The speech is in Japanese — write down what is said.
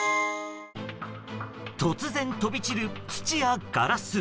突然、飛び散る土やガラス。